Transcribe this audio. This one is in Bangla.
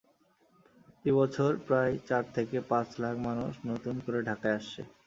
প্রতিবছর প্রায় চার থেকে পাঁচ লাখ মানুষ নতুন করে ঢাকায় আসছে।